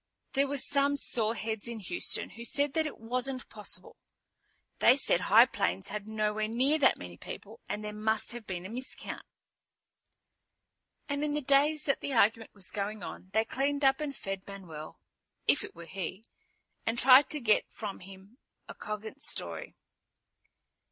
There were some soreheads in Houston who said that it wasn't possible. They said High Plains had nowhere near that many people and there must have been a miscount. And in the days that the argument was going on, they cleaned up and fed Manuel, if it were he, and tried to get from him a cogent story.